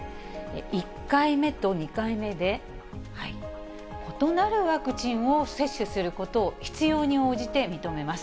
１回目と２回目で、異なるワクチンを接種することを必要に応じて認めます。